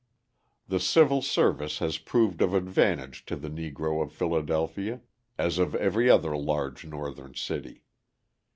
The civil service has proved of advantage to the Negro of Philadelphia, as of every other large Northern city.